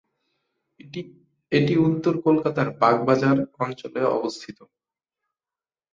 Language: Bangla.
এটি উত্তর কলকাতার বাগবাজার অঞ্চলে অবস্থিত।